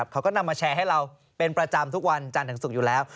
เขาก็นำมาแชร์ให้เราเป็นประจำทุกวันจันทร์ถึงศุกร์อยู่แล้ว